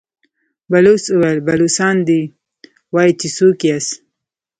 بلوڅ وويل: بلوڅان دي، وايي چې څوک ياست؟